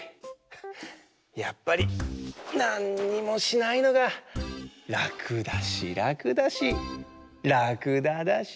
やっぱりなんにもしないのがらくだしらくだしらくだだし。